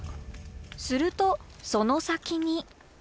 するとその先に。